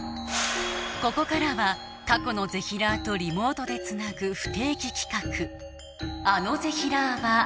ここからは過去のぜひらーとリモートでつなぐ不定期企画